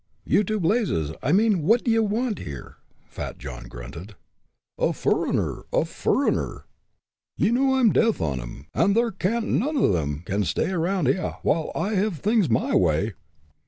"You to blazes! I mean, what d'ye want here?" Fat John grunted. "A fureigner a fureigner! Ye know I'm death on 'em, an' thar can't none o' 'em can stay around hyar, while I hev things my way."